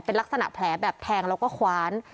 เป็นลักษณะแผลแบบแทงแล้วก็คว้าน